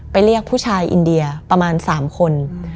เรียกผู้ชายอินเดียประมาณ๓คน